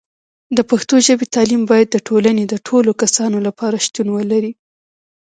د پښتو ژبې تعلیم باید د ټولنې د ټولو کسانو لپاره شتون ولري.